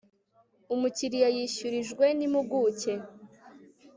umukiriya yishyurijwe n impuguke